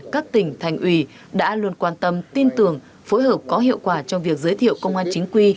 các tỉnh thành ủy đã luôn quan tâm tin tưởng phối hợp có hiệu quả trong việc giới thiệu công an chính quy